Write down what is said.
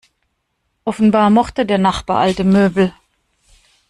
Offenbar mochte der Nachbar alte Möbel.